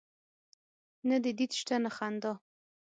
نه دي دید سته نه خندا